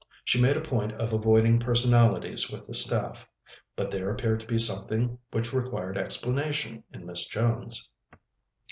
She made a point of avoiding personalities with the staff. But there appeared to be something which required explanation in Miss Jones.